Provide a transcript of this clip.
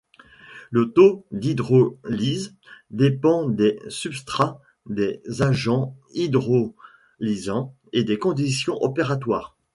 Le taux d'hydrolyse dépend des substrats, des agents hydrolysants et des conditions opératoires.